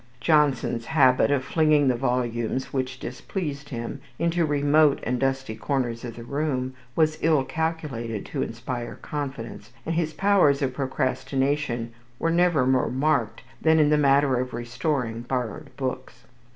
Johnson's habit of flinging the volumes which displeased him into remote and dusty corners of the room was ill calculated to inspire confidence, and his powers of procrastination were never more marked than in the matter of restoring borrowed books.